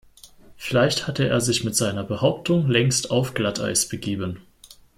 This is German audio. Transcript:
Vielleicht hatte er sich mit seiner Behauptung längst auf Glatteis begeben.